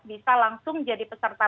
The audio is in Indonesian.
bisa langsung jadi peserta